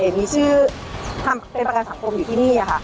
มีชื่อทำเป็นประกันสังคมอยู่ที่นี่ค่ะ